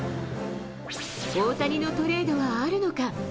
大谷のトレードはあるのか。